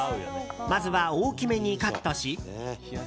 まずは大きめにカットし。